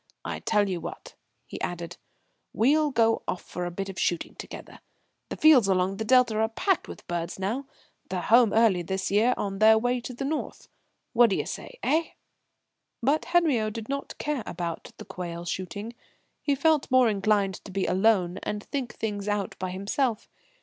"I tell you what," he added, "we'll go off for a bit of shooting together. The fields along the Delta are packed with birds now: they're home early this year on their way to the North. What d'ye say, eh?" But Henriot did not care about the quail shooting. He felt more inclined to be alone and think things out by himself.